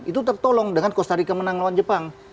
itu tertolong dengan costa rike menang lawan jepang